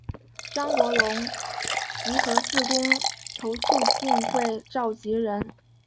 张国龙及核四公投促进会召集人。